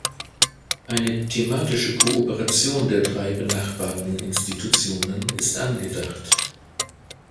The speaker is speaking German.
Eine thematische Kooperation der drei benachbarten Institutionen ist angedacht.